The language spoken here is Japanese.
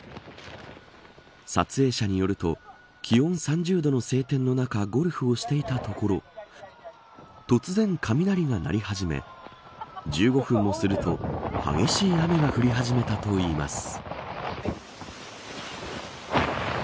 撮影者によると気温３０度の晴天の中ゴルフをしていたところ突然、雷が鳴り始め１５分もすると激しい雨が降り始めたといいます。